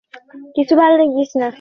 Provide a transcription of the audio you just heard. এরা সহজে কামড়ায় না।